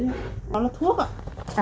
đó là thuốc ạ